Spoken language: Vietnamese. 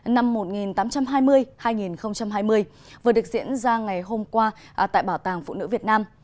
năm một nghìn tám trăm hai mươi hai nghìn hai mươi vừa được diễn ra ngày hôm qua tại bảo tàng phụ nữ việt nam